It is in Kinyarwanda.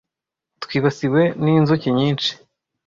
Twibasiwe n'inzuki nyinshi.